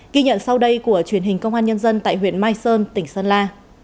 ghi nhận sau đây của truyền hình công an nhân dân tại huyện mai sơn tỉnh sơn la